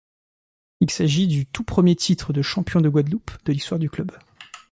Il s’agit du tout premier titre de champion de Guadeloupe de l'histoire du club.